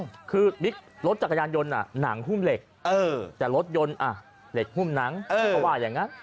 ก็คือกำเป็นเรถรถจักรยานยนต์หนังฮุ่มเหล็กแต่รถหยนต์อ่ะเหล็กฮุ่มหนัง